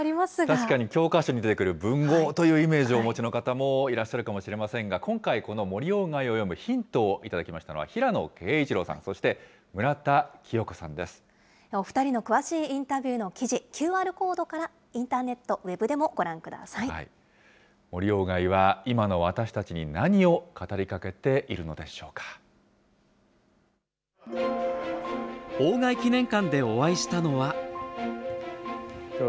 確かに教科書に出てくる文豪というイメージをお持ちの方もいらっしゃるかもしませんが、今回、この森鴎外を読むヒントを頂きましたのは、平野啓一郎さん、そしお２人の詳しいインタビューの記事、ＱＲコードから、インターネット、ウェブでもご覧くださ森鴎外は今の私たちに何を語鴎外記念館でお会いしたのは。